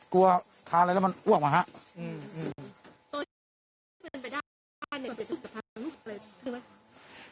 กลัวทานอะไรแล้วมันววกมาฮะอืมอืม